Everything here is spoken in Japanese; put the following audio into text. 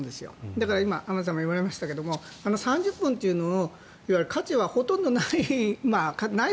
だから今、浜田さんが言われましたが３０本というのを価値はほとんどない。